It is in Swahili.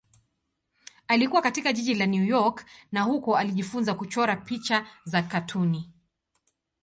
Alikua katika jiji la New York na huko alijifunza kuchora picha za katuni.